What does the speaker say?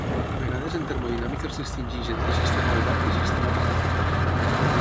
A vegades en termodinàmica es distingeix entre sistema obert i sistema tancat.